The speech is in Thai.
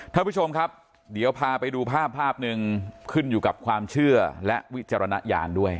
ท่านผู้ชมครับเดี๋ยวพาไปดูภาพภาพหนึ่งขึ้นอยู่กับความเชื่อและวิจารณญาณด้วย